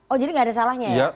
oh jadi nggak ada salahnya ya